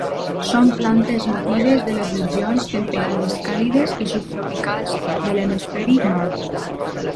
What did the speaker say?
Són plantes natives de les regions temperades càlides i subtropicals de l'Hemisferi Nord.